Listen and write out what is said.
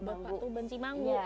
bapak tuban cimanggu